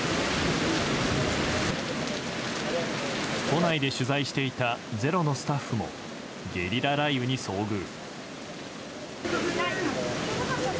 都内で取材していた「ｚｅｒｏ」のスタッフもゲリラ雷雨に遭遇。